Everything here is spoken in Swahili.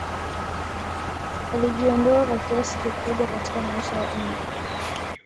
Alijiondoa kwa kiasi kikubwa katika maisha ya umma